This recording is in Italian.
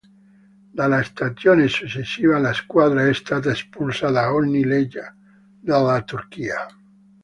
Dalla stagione successiva la squadra è stata espulsa da ogni lega della Turchia.